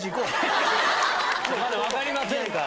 まだ分かりませんから。